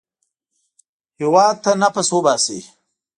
هېواد ته نفس وباسئ